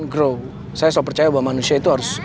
grow saya selalu percaya bahwa manusia itu harus